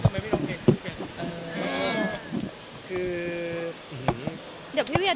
เมื่อกี้ทำไมพี่น้องเก่ง